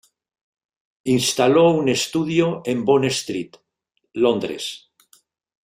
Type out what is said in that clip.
Instaló un estudio en Bond Street, Londres.